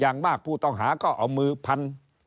อย่างมากผู้ต้องหาก็เอามือพัน